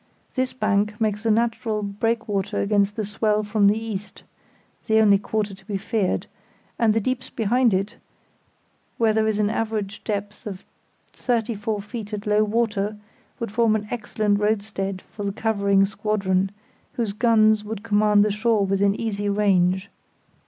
This bank makes a natural breakwater against the swell from the east (the only quarter to be feared); and the Deeps behind it, where there is an average depth of thirty four feet at low water, would form an excellent roadstead for the covering squadron, whose guns would command the shore within easy range.